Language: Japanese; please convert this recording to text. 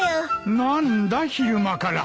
何だ昼間から。